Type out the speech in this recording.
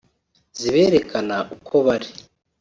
ziberekana uko bari